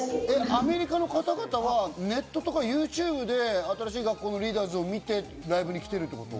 アメリカの方々はネットとかＹｏｕＴｕｂｅで新しい学校のリーダーズを見てライブに来てるってこと？